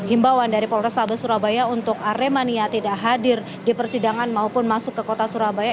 imbauan dari polrestabes surabaya untuk aremania tidak hadir di persidangan maupun masuk ke kota surabaya